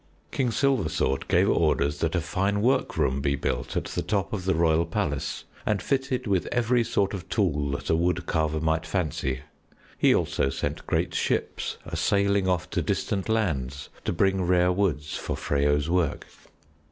King Silversword gave orders that a fine workroom be built at the top of the royal palace and fitted with every sort of tool that a wood carver might fancy. He also sent great ships a sailing off to distant lands to bring rare woods for Freyo's work.